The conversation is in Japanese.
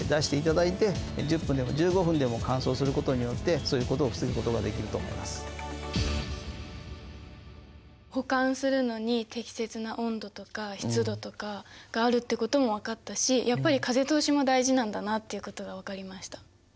そういうところで出していただいて保管するのに適切な温度とか湿度とかがあるってことも分かったしやっぱり風通しも大事なんだなっていうことが分かりました。